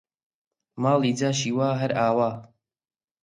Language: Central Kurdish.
ماڵی جاشی وا هەر ئاوا!